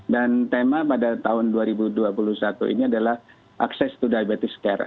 dan tema pada tahun dua ribu dua puluh satu ini adalah access to diabetes care